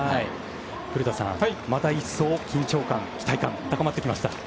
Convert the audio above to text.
古田さんまた一層、緊張感、期待感が高まってきました。